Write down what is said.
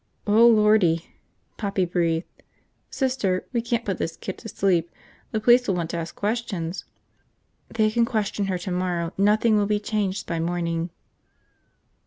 "Oh, lordy!" Poppy breathed. "Sister, we can't put this kid to sleep. The police will want to ask questions." "They can question her tomorrow, nothing will be changed by morning."